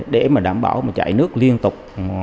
để mà đảm bảo chạy nước liên tục